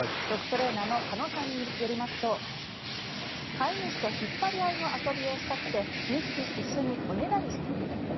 ドッグトレーナーの鹿野さんによりますと飼い主と引っ張り合いの遊びをしたくて２匹一緒におねだりしている。